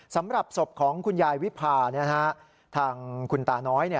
สำหรับศพของคุณยายวิพาทางคุณตาน้อย